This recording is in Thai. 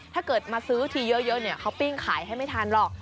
ถ้าเกิดมาซื้อทีเยอะเขาปิ้งขายให้ไม่ทันหรอก